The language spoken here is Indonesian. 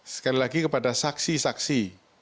sekali lagi kepada saksi saksi